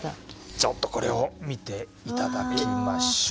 ちょっとこれを見ていただきましょう。